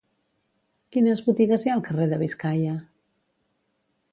Quines botigues hi ha al carrer de Biscaia?